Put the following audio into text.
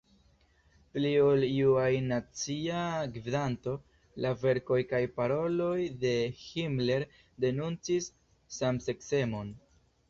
Pli ol iu ajn Nazia gvidanto, la verkoj kaj paroloj de Himmler denuncis samseksemon.